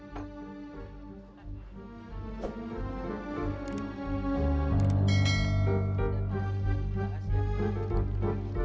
terima kasih ya